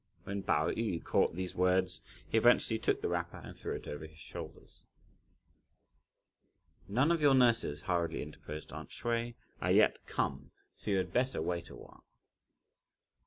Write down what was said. When Pao yü caught these words, he eventually took the wrapper and threw it over his shoulders. "None of your nurses," hurriedly interposed aunt Hsüeh, "are yet come, so you had better wait a while."